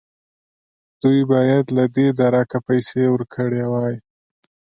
دوی باید له دې درکه پیسې ورکړې وای.